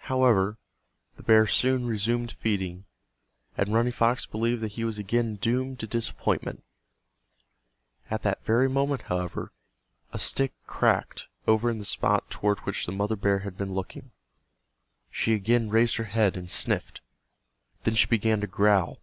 However, the bear soon resumed feeding, and Running Fox believed that he was again doomed to disappointment. At that very moment, however, a stick cracked over in the spot toward which the mother bear had been looking. She again raised her head and sniffed. Then she began to growl.